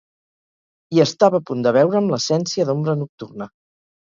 I estava a punt de beure'm l'essència d'ombra nocturna.